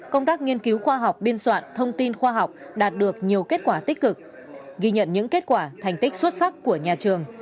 công tác nghiên cứu khoa học biên soạn thông tin khoa học đạt được nhiều kết quả tích cực ghi nhận những kết quả thành tích xuất sắc của nhà trường